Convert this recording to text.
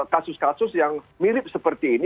kasus kasus yang mirip seperti ini